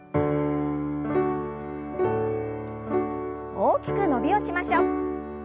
大きく伸びをしましょう。